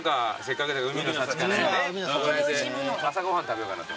朝ご飯食べようかなと。